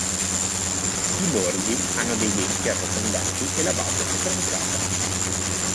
I bordi hanno dei denti arrotondati e la base è troncata.